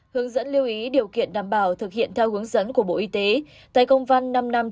hướng dẫn lưu ý điều kiện đảm bảo thực hiện theo hướng dẫn của bộ y tế tại công văn năm nghìn năm trăm chín mươi chín